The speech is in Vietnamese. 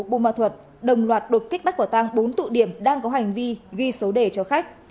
bumma thuật đồng loạt đột kích bắt quả tang bốn tụ điểm đang có hành vi ghi số đề cho khách